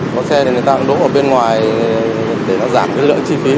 có xe thì người ta cũng đỗ ở bên ngoài để nó giảm cái lượng chi phí